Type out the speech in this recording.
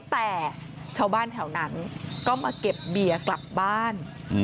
แต่ชาวบ้านแถวนั้นก็มาเก็บเบียร์กลับบ้าน